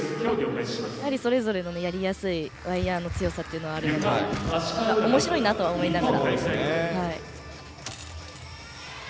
それぞれやりやすいワイヤの強さというのはあるのでおもしろいなとは思いながら。